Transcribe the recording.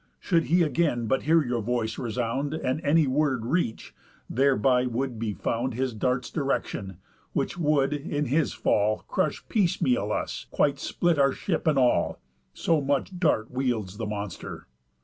Should he again but hear your voice resound, And any word reach, thereby would be found His dart's direction, which would, in his fall, Crush piece meal us, quite split our ship and all; So much dart wields the monster.